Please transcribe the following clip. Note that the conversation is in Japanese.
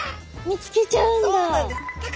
見つけちゃうんだ。